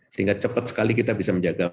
sehingga cepat sekali kita bisa menjaga